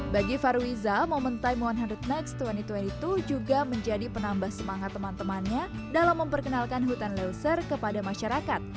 bagi faruiza momen time seratus next dua ribu dua puluh dua juga menjadi penambah semangat teman temannya dalam memperkenalkan hutan leuser kepada masyarakat